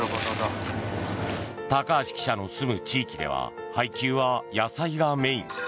高橋記者の住む地域では配給は野菜がメイン。